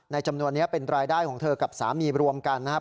จำนวนนี้เป็นรายได้ของเธอกับสามีรวมกันนะครับ